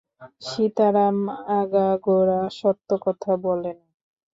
সীতারাম আগাগোড়া সত্য কথা বলে নাই।